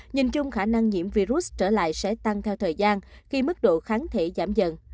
nhìn chung khả năng nhiễm virus trở lại sẽ tăng theo thời gian khi mức độ kháng thể giảm dần